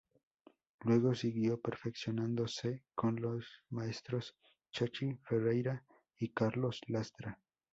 Luego siguió perfeccionándose con los maestros Chachi Ferreira y Carlos Lastra.